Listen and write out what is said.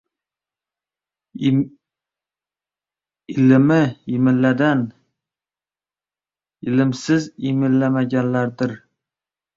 Ilmli – ildam, ilmsiz imillagandir.